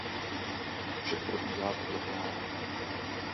Vše probíhá podle plánu.